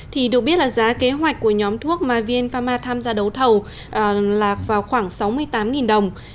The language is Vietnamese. thì được biết là giá kế hoạch của nhóm thuốc mà vn pharma tham gia đấu thầu lạc vào khoảng sáu mươi tám đồng